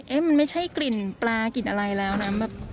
มันไม่ใช่กลิ่นปลากลิ่นอะไรแล้วนะแบบ